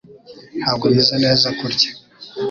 Ntabwo meze neza kurya.